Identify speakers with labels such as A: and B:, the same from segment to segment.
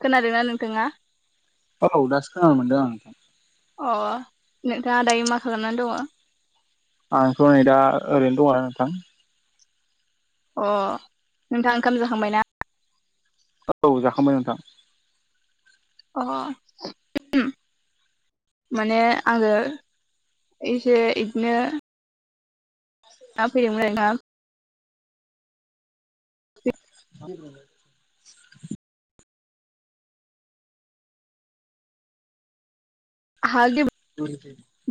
A: खोनादोंना नोंथाङा?
B: औ दासो खोनानो मोनदों आं नोंथां
A: अ नोंथाङा दायो मा खालामनानै दङ?
B: आंथ' नै दा ओरैनो दङ नोंथां
A: अ नोंथाङा ओंखाम जाखांबाय ना?
B: औ जाखांबाय नोंथां
A: अ [unintelligible] माने आङो एसे इदिनो आ [unintelligible]
B: [inaudible]
A: हालदे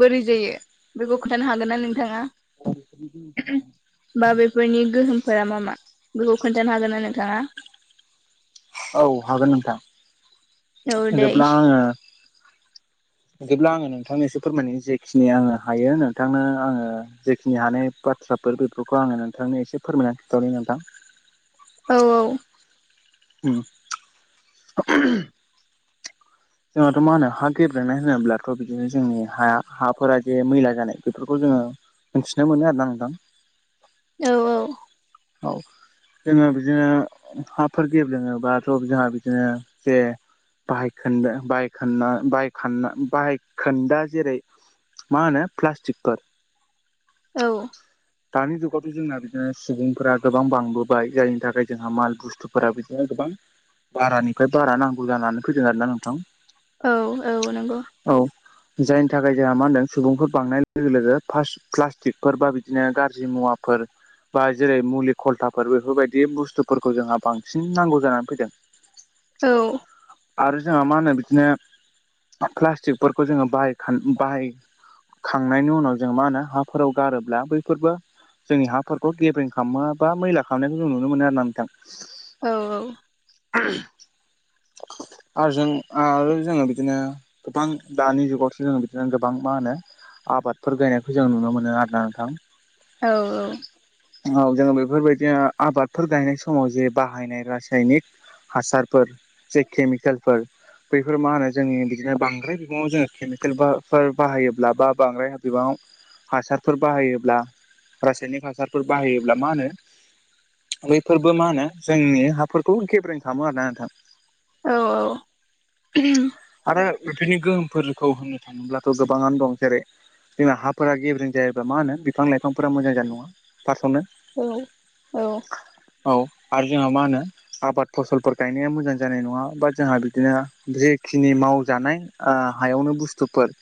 A: बोरै जायो बेखौ खोन्थानो हागोन ना नोंथाङा? बा बेफोरनि गोहोमफोरा मा मा बेखौ खोन्थानो हागोन ना नोंथाङा?
B: औ हागोन
A: औ
B: नोंथां
A: दे
B: जेब्ला
A: इसे
B: आङो दिब्ला आङो नोंथांनोसे फोरमायनो जेखिनि आङो हायो नोंथांनो आङो जेखिनि हानाय बा थ्राफोर बेफोरखौ आङो नोंथांनो एसे फोरमायनानै खिथाहरनि नोंथां
A: औ
B: उम [unintelligible] जोंहाथ' मा होनो हा गेब्रेना होनोब्ला थ' बिदिनो जोंनि हाया हाफोरा जे मैला जानाय बेफोरखौ जोङो मोनथिनो मोनो आरोना नोंथां
A: औ औ
B: औ जोङो बिदिनो हाफोर गेब्लेङोबाथ' जोंहा बिदिनो जे बाइक खोनद बाहाय खोनना बाहाइक ख बाहायखोन्दा जेरै मा होनो प्लास्टिकफोर
A: औ
B: दानि जुगावथ' जोंना बिदिनो सुबुं फोर गोबां बांबोबाय जायनि थाखाय जोंहा माल बुस्थुफोरा बिदिनो गोबां बारानिफ्राय बारा नांगौ जानानै फैदों आरोना नोंथां
A: औ औ नोंगौ
B: औ जायनि थाखाय जोंहा मा होनदों सुबुंफोर बांनाय लोगो लोगो फास प्लास्टिकफोर बा बिदिनो गाज्रि मुवाफोर बा
A: औ
B: जेरै मुलि खलथाफोर बेफोरबायदि बुस्थुफोरखौ जोंहा बांसिन नांगौ जानानै फैदों
A: औ
B: आरो जोंहा मा होनो बिदिनो प्लास्टिकफोरखौ जोङो बाइक [unintelligible] बाहाय खांनायनि उनाव जों मा होनो हाफोराव गारोब्ला बैफोरबो जोंनि हाफोरखौ गेबेें हाम बा मैला खालामनायखौ जों नुनो मोनो आर ना नोंथां
A: औ औ
B: [inaudible] आरो जों आरो जोङो बिदिनो गोबां दानि जुगावसो जो बिदिनो गोबां मा होनो आबादफोर गायनायखौ जों नुनो मोनो आदा नोंथां
A: औ औ
B: औ जोङो बेफोरबायदिनो आबादफोर गायनाय समाव जे बाहायनाय रासायनिक हासार फोर ज केमिकेलफोर बैफोर मा होनो जोंनि बिदिनो बांद्राय बिबाङाव जोङो केमिकेलफोर बाहायोब्ला बा बांद्राय बिबाङाव हासारफोर बाहायोब्ला रासायनिक हासारफोर फोर बाहायोब्ला मा होनो बैफोरबो मा होनो जोंनि हाफोरखौ गेब्रेें खालामो आर ना नोंथां
A: औ औ
B: आरो बेफोरनि गोहोमफोरखौ होननो थाङोब्लाथ' गोबाङानो दं जेरै जोंना हाफोरा गेब्रें जायोब्ला मा होनो बिफां लाइफांफोरा मोजां जानाय नङा फार्सआवनो
A: औ औ
B: औ आरो जोंहा मा होनो आबाद फसलफोर गायनाया मोजां जानाय नङा बा जोंहा बिदिनो जि खिनि मावजानाय हायावनो बुस्थुफोर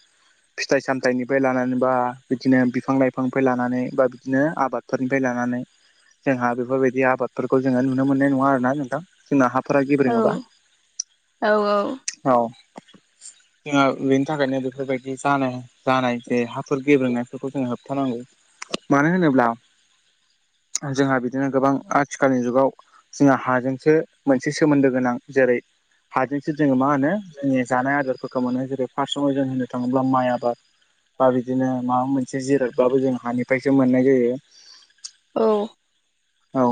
B: फिथाइ सामथाइनिफ्राय लानानै बा बिदिनो बिफां लाइफांनिफ्राय लानानै बा बिदिनो आबाद फोरनिफ्राय लानानै जोंहा बेफोरबायदि आबादफोरखौ जोङो नुनो मोननाय नङा आरोोना नोंथां जोंना हाफोरा गेब्रेङोबा
A: औ औ
B: [unintelligible] जानाय जे हाफोर गेब्रेनायफोरखौ जोङो होबथानांगौ मानो होनोब्ला जोंहा बिदिनो गोबां आथिखालनि जुगाव जोंहा हाजोंसो मोनसे सोमोन्दो गोनां जेरै हाजोंसो जोङो मा होनो जोंनि जानाय आदारफोरखौ मोनो जेरै फार्स्टआवाव जों होननो थाङोब्ला माइ आबाद बा बिदिनो माबा मोनसे जिरायबाबो जों हानिफ्रायसो मोननाय जायो
A: औ
B: औ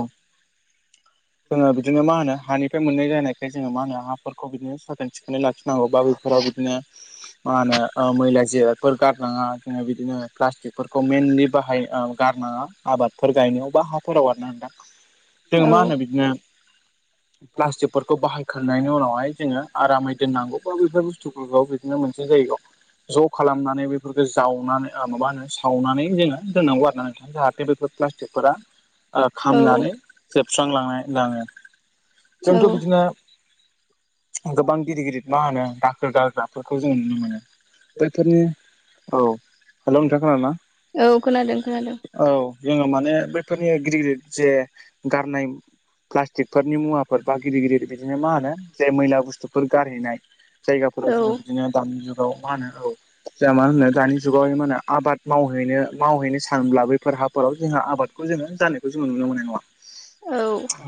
B: जोङो बिदिनो मा होनो हानिफ्राय मोननाय जानायखाय जोङो मा होनो हाफोरखौ बिदिनो साखोन सिखोनै लाखिनांगौ बा बेफोराव बिदिनो मा होनो मैला जिरफोर गारनाङा जोङो बिदिनो प्लास्टिकफोरखौ मइेनलि बाहाय गारनाङा आबादफोर गायनायाव बा हाफोराव गारना होनदां
A: औ
B: जोो मा होनो बिदिनो प्लास्टिकफोरखौ बाहायखांनायनि उनावहाय जोङो आरामै दोननांगौ बा बेफोर बुस्थुफोरखौ नो मोनसे जायगा ज' खालामनानै बे बेफोरखौ जावनानै माबा होनो सावनानै जोङो दोननांगौ आरोना नों जाहाथे बेफोर प्लास्टिकफोरा
A: औ औ
B: खामनानै जोबस्रांलांनो लाङो।
A: औ
B: जोंथ' बिदिनो गोबां गिदिर गिदिर मा होनो दाखोर गाग्राफोरखौ जों नुनो मोनो बेफोरनि औ हेलौ नोंथां खोनादोंना?
A: औ खोनादों खोनादों
B: औ जोङो माने बैफोरनि गिदिर गिदिर जे गारनाय प्लास्टिकफोरनि मुवाफोर बा गिदिर गिदिर बिदिनो मा होनो जाय मैला बुस्थुफोर गारहैनाय जायगाफोराव जोङो
A: औ
B: बिदिनो दानि जुगाव मा होनो औ जोंहा मानो होनो दानि जुगाव मा होनो आबाद मावहैनो मावहैनो सानब्ला बैफोर हाफोराव जोंहा आबाद जोङो जानायखौ जोङो नुनो मोननाय नङा।
A: औ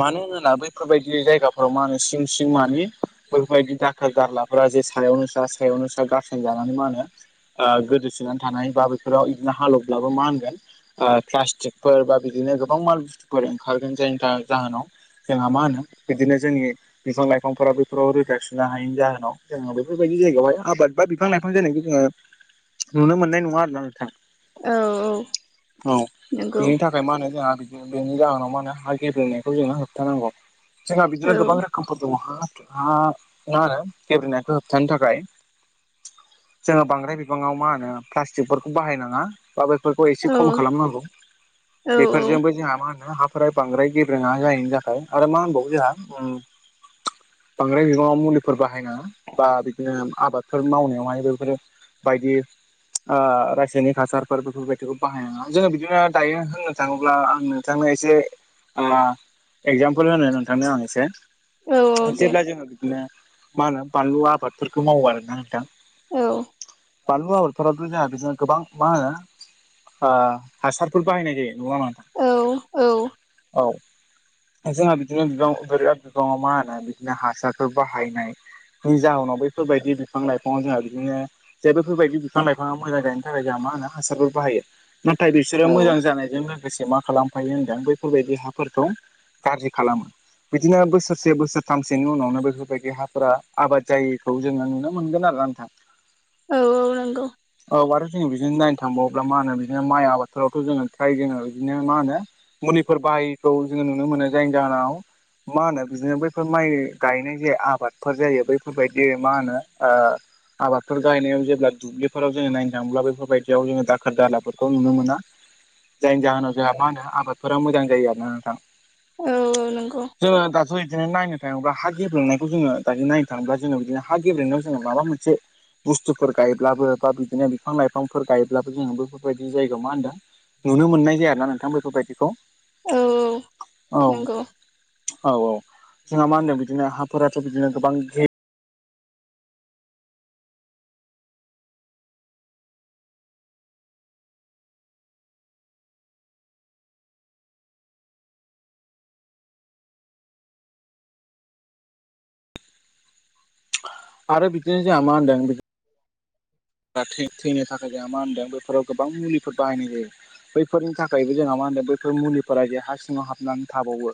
B: मानो होनोब्ला बैफोरबायदि जायगाफोराव मा होनो सिं सिं मानि बेफोरबायदि दाखोर जारलाफोरा जे सायावनो सा सायावनो सा गारसिन जानानै मानो गोदोसोनानै थानाय बा बेफोराव बिदिनो हालेवब्लाबो मा होनगोन? प्लास्टिकफोर बा बिदिनो गोबां माल बुस्थुफोर ओंखारगोन जायनि जाहोनाव जोंहा मा होनो बिदिनो जोंनि बिफां लाइफांफोराबो [unintelligible] रैखा सिनो हायिनि जाहोनाव जोङो बेफोरबायदि जायगायावहाय आबाद बा बिफां लाइफां जायनायखि जोङो नुनो मोननाय नङा आरोना नोंथां
A: औ
B: औ
A: नंगौ
B: बेनि थाख ओमफ्राय मा होनो जोंहा बेनि जाहोनाव मा होनो हा गेब्रेंनायखौ जोङो होबथानांगौ। जोंहा बिदिनो
A: औ
B: गोबां रोखोमफोर दङ हा हा मा होनो गेब्रेनायखौ खिथानो थाखाय जोङो बांद्राय बिबाङाव मा होनो? प्लास्टिकफोरखौ बाहायनाङा बा बे फोरखौ एसे
A: औ
B: खम खालामनांगौ
A: औ
B: बेफोरजोंबो जोंहा मा होनो हाफ ओफ्राय बांद्राय गेबेेङा जाहैनि थाखाय आरो मा होनबावो जोंहा उम बांद्राय बिगाङाव मुलिफोर बाहायनाङा बा बिदिनो आबादफोर मावनायावहाय बेफोरो बायदि रासायनिक हासारफोर बेफोरबायदि बे बाहाय नङा जोङो बिदिनो दायो होननो थाङोब्ला आं नोंथांनो एसे एगजामपोल होनो नोंथांनो आं एसे
A: औ औ दे
B: जेब्ला जोङो बिदिनो मा होनो बानलु आबादफोरखौ मावो आरोना दा
A: औ
B: बानलु आबाद [unintelligible] जोंहा बिदिनो गोबां मा होनो ओ हासारफोर बाहायनाय जायो नङा [unintelligible] नोंथां?
A: औ औ
B: औ जोंहा बिदिनो बिबाङाव बोरैबा बिबङाव मा होनो? ओ बिदिनो हासारफोर बाहायनायनि जाहोनाव बेैफोरबायदि बिफां लाइफाङाव जोंहा बिदिनो जे बेफोरबायदि बिफां लाइफाङा मोजां गायनो थाखाय जोंहा मा होनो हासारफोर बाहायो। नाथाय बिसोरो मोजां जानायजों लोगोसे मा खालामफायो होनदों बैफोरबायदि हाफोरखौ गाज्रि खालामो बिदिनो बोसोरसे बोसोरथामसेनि उनावनो बेफोरबायदि हा फोरा आबाद जायिखौ जोङो नुनो मोनगोन आरोना नोंथां।
A: औ औ नोंगौ।
B: औ आरो जोङो बिदिनो नायनो थांबावोब्ला मा होनो बिदिनो माइ आबादफोरावथ' जोङो फ्राय जोङो बिदिनो मा होनो मुलिफोर बाहायखौ जोङो नुनो मोनो जायनि जाहोनाव मा होनो बिदिनो बै फोर माइ गायनाय जे आबादफोर जायो बैफोरबायदि मा होनो ओ आबादफोर गाहायनायाव जेब्ला दुब्लिफोराव जोङो नायनो थाङोब्ला बेफोरबायदियाव जोङो दाखोर दालाफोरखौ नुनो मोना। जायनि जाहोनाव जोंहा मा होनो आबादफोरा मोजां जायो आरोना नोंथां?
A: औ नंगौ
B: जोङो दाथ' इद बिदिनो नायनो थाङोब्ला हा गेब्रेंनायखौ जोङो दायो नायनो थाङोब्ला जोङो बिदिनो हा गेब्लेनायाव जोङो माबा मोनसे बुस्थुफोर गायोब्लाबो बा बिदिनो बिफां लाइफांफोर गायोब्लाबो जोङो बेफोरबायदि जायगायाव मा होनदों? नुनो मोननाय जाया आरोना नोंथां बेफोरबायदिखौ
A: औ
B: औ
A: नंगौ
B: औ औ जोंहा मा होनदों बिदिनो हाफोराथ' बिदिनो गोबां गे आरो बिदिनो जोंहा मा होनदों? थैनो थाखाय जोंहा मा होनदों बेफोराव गोबां मुलिफोर बाहायनाय जायो। बैफोरनि थाखायबो जोंहा मा होनदों बैफोर मुलिफोरा जे हा सिङाव हाबनानै थाबावो।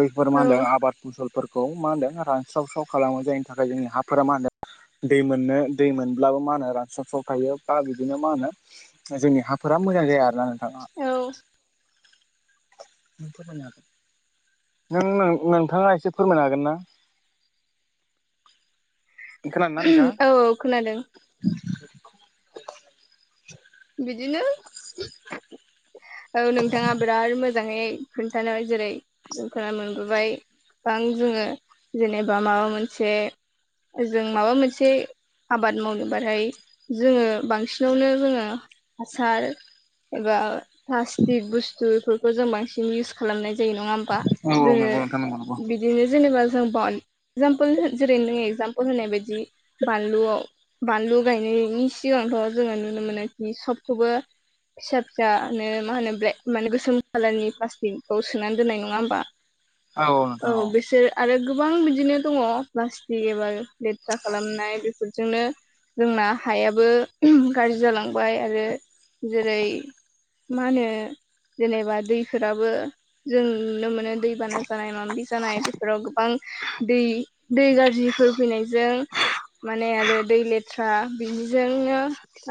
B: बैफोर मा
A: औ
B: होनदों आबाद फसलफोरखौ मा होनदों रानस्रावस्राव खालामो जायनि थाखाय जोंनि हाफोरा मा होनदों दै मोननो दै मोनब्लाबो माहोन रां- सब सब थायो बा बिदिनो मा होनो जोंनि हाफोरा मोजां जाया आरोना नोंथाङा
A: औ
B: फोरमायनो हागोन नों नोंथाङा एसे फोरमायनो हागोन ना? खोनादोंना नोंथाङा
A: औ औ खोनादों। बिदिनो औ नोंथाङा बिराद मोजाङै खोन्थानाय जेरैों खोनानो मोनबोबाय गोबां जोङो जेनेबा माबा मोनसे जों माबा मोनसे आबाद मावनो बाथाय जोङो बांसिनावनो जोङो हासार एबा। प्लास्टिक बुस्थु बेफोरखौ जों बांसिन इउस खालामनाय जायो नङा होमबा
B: औ औ नंगौ नोंथां नंगौ नंगौ
A: जोङो। बिदिनो जेनेबा जों [unintelligible] एगजामपोल जेरै नोङो एगजामपोल होनाय बायदि बानलुआव। बानलु गायनायनि सिगांथ' जोङो नुनो मोनोखि सबखौबो फिसा फिसा। बेदिनी मा होनो ब्लेक माने गोसोम कालारनि प्लास्टिकखौ सोनानै दोननाय नङा होमबा। औ बिसोर आरो गोबां बिदिनो दङ प्लास्टिक एबा। लेेथ्रा खालामनाय बेफोरजोंनो जोंना। हायाबो ओम गाज्रि जालांबाय आरो जेरै। मा होनो जेनेबा दैफोराबो जों नुनो मोनो। दै बाना जानाय मबि जानाय बेफोराव गोबां। दै दै गाज्रिफोर फैनायजों। माने आरो दै लेथ्रा बिदिजोंनो।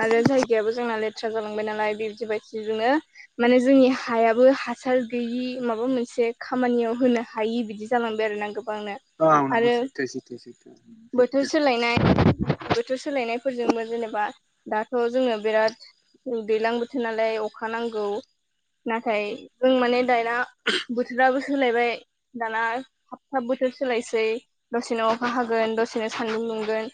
A: आरो जायगायाबो जोंना लेथ्रा जालांबाय नालाय बिदि बायदिजोंनो। माने जोंनि हायाबो हासार गैयि माबा मोनसे खामानियाव होनो हायि बिदि। जालांबाय आरोना गोबांनो
B: औ नंगौ
A: आरो
B: सैथो सैथो सैथो
A: बोथोर
B: सैथो
A: सोलायनाय। बोथोर सोलायनायफोरजोंबो जेनेबा दाथ' जोङो बिराद दैलां बोथोर नालाय। अखा नांगौ नाथाय जों माने दया बोथोराबो सोलायबाय। दाना थाब थाब बोथोर सोलायसै दसेनो अखा हागोन दसेनो सान्दुं दुंगोन।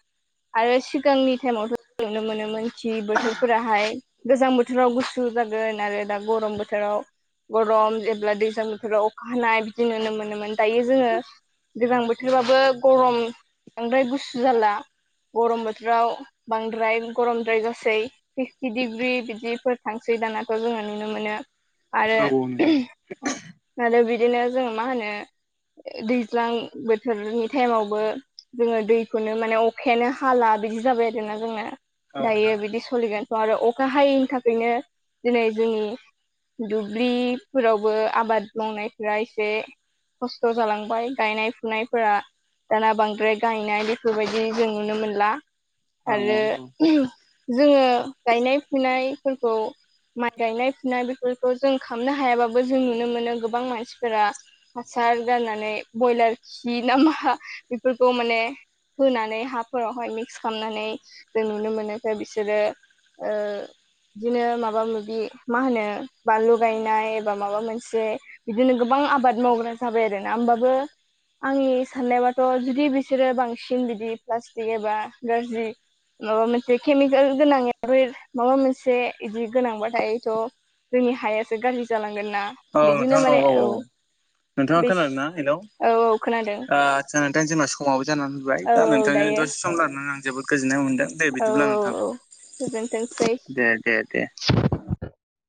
A: आरो सिगांनि टाइमावथ' नुनो मोनोमोन थि बोथोरफोराहाय। गोजां बोथोराव गुसु जागोन आरो दा गरम बोथोराव गरम जेब्ला दैज्लां बोथोराव। नाय बिदि नुनो मोनोमोन दायो जोङो। गोजां बोथोरबाबो गरम बांद्राय गुसु जाला। गरम बोथोराव बांद्राय गरमद्राय गासै फिफटि डिग्रि बिदिफोर। थांस्रि दानाखौ जोङो नुनो मोनो आरो।
B: औ नोंथां
A: आरो बिदिनो जों मा होनो दैज्लां बो थोरनि टाइमावबो जोङो दैखौनो माने अखायानो हा- हाला बिदि जाबाय आरोना जोंना
B: औ
A: दायो
B: नोंथां
A: बिदि सलिगोनथ' आरो अखा हायैनि थाखाय। बेदिनो दिनै जोंनि दुब्लिफोरावबो आबाद। मावनायफोरा एसे खस्थ' जालांबाय गायनाय फुनायफोरा। दाना बांद्राय गायनाय बेफोरबायदि जों नुनो मोनला।
B: औ औ
A: आरो ओम जोङो गायनाय फुनायफोरखौ। माइ गायनाय फुनाय बेफोरखौ जों खालामनो हायाबाबो जों नुनो मोनो गोबां मानसिफोरा। हासार गारनानै बयलार खि नामा बेफोरखौ माने। होनानै हाफोरावहाय मिक्स खालामनानै जों नुनो मोनो बिसोरो। ओ। बिदिनो माबा माबि मा होनो बा लगायनाय एबा माबा मोनसे। बिदिनो गोबां आबाद मावग्रा जाबाय आरो ना होमबाबो। आंनि साननायबाथ' जुदि बिसोरो बांसिन बिदि प्लास्टिक एबा। गाज्रि माबा मोनसे केमिकेल गोनांफोर माबा मोनसे। से इदि गोनांबाथायथ' जोंनि हायासो गाज्रि जालांगोन ना बिदिनो माने औ
B: नोंथाङा
A: बेस
B: खोनादों ना हेलौ
A: औ औ खोनादों।
B: आदसा जोंना दा जेनबा समाबो जानानै फैबाय
A: औ
B: दा
A: औ
B: नोंथांजों
A: दायो
B: दसे सम लानानै आं जोबोद गोजोननाय मोनदों। दे
A: औ औ
B: बिदिब्ला नोंथां
A: औ गोजोनथोंसै
B: दे दे दे।